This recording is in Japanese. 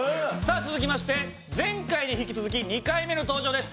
続きまして前回に引き続き２回目の登場です。